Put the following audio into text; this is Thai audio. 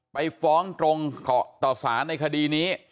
ไปฟ้องตรงต่อสารในคดีนี้